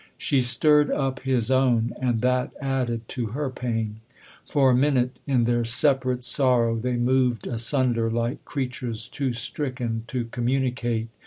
She stirred up his own, and that added to her pain ; for a minute, in their separate sorrow, they moved asunder like creatures too stricken to communicate.